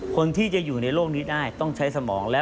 คนที่จะอยู่ในโลกนี้ได้ต้องใช้สมองแล้ว